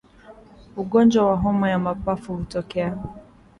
Ugonjwa wa homa ya mapafu hutokea